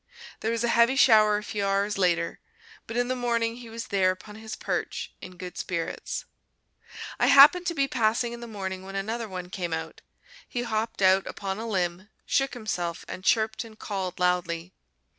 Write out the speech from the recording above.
There was a heavy shower a few hours later, but in the morning he was there upon his perch in good spirits. I happened to be passing in the morning when another one came out. He hopped out upon a limb, shook himself, and chirped and called loudly.